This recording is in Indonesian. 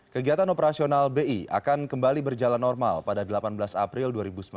kegiatan operasional bi akan kembali berjalan normal pada delapan belas april dua ribu sembilan belas